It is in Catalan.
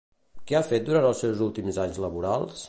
Què ha fet durant els seus últims anys laborals?